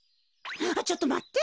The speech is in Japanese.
ちょっとまって。